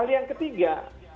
hal yang ketiga